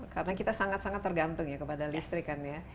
karena kita sangat sangat tergantung ya kepada listrik kan ya